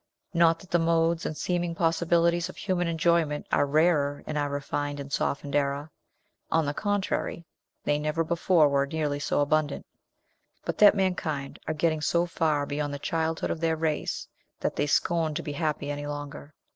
Not that the modes and seeming possibilities of human enjoyment are rarer in our refined and softened era, on the contrary, they never before were nearly so abundant, but that mankind are getting so far beyond the childhood of their race that they scorn to be happy any longer.